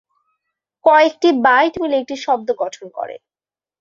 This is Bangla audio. কয়েকটি বাইট মিলে একটি শব্দ গঠন করে।